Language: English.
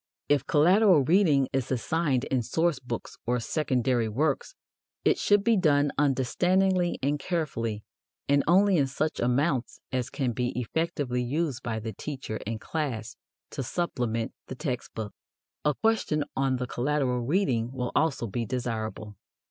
If collateral reading is assigned in source books or secondary works, it should be done understandingly and carefully, and only in such amounts as can be effectively used by the teacher and class to supplement the text book. A question on the collateral reading will also be desirable.